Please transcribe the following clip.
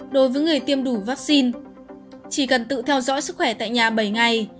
đối với người tiêm đủ vaccine chỉ cần tự theo dõi sức khỏe tại nhà bảy ngày